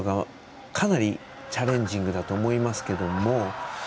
かなり、チャレンジングだと思いますけども。